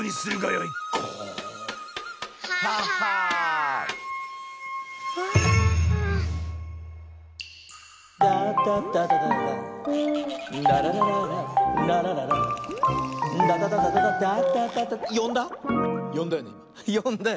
よんだ？